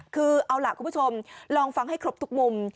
คือเอาล่ะคุณผู้ชมลองฟังให้ครบทุกมุม